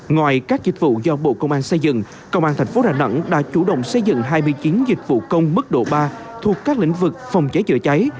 ngoài các dịch vụ do bộ công an xây dựng công an tp đà nẵng đã chủ động xây dựng hai mươi chín dịch vụ công mức độ ba thuộc các lĩnh vực phòng cháy chữa cháy